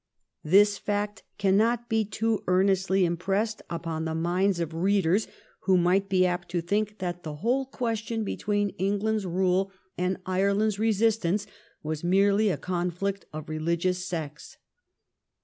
This fact cannot be too earnestly impressed upon the minds of readers who might be apt to think that the whole question between England's rule and Ireland's re sistance was merely a conflict of religious sects.